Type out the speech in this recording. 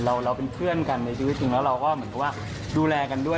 เราเป็นเพื่อนกันในชีวิตจริงแล้วเราก็เหมือนกับว่าดูแลกันด้วย